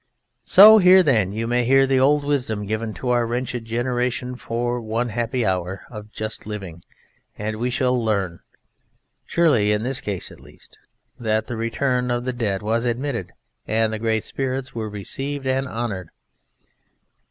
So here, then, you may hear the old wisdom given to our wretched generation for one happy hour of just living and we shall learn, surely in this case at least, that the return of the Dead was admitted and the Great Spirits were received and honoured.